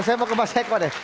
saya mau ke mas eko deh